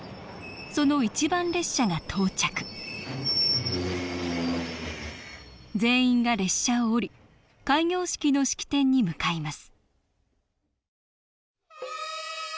その一番列車が到着全員が列車を降り開業式の式典に向かいます